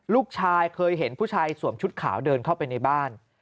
ลูกชายเคยเห็นผู้ชายสวมชุดขาวเดินเข้าไปในบ้าน